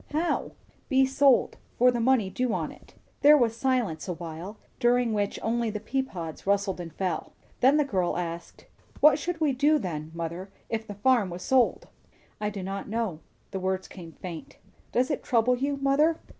How?" "Be sold. For the money due on it." There was silence awhile, during which only the pea pods rustled and fell; then the girl asked, "What should we do then, mother, if the farm was sold?" "I do not know." The words came faint. "Does it trouble you, mother?"